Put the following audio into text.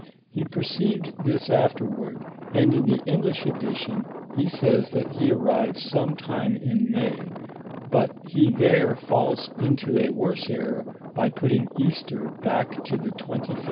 He perceived this afterward, and in the English edition, he says, that he arrived some time in May ; but he there falls into a worse error by putting Easter back to the 23d of March.